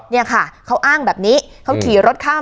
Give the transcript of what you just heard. แล้วก็ไปซ่อนไว้ในคานหลังคาของโรงรถอีกทีนึง